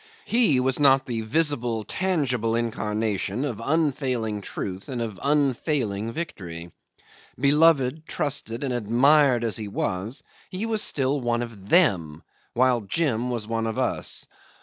He was not the visible, tangible incarnation of unfailing truth and of unfailing victory. Beloved, trusted, and admired as he was, he was still one of them, while Jim was one of us.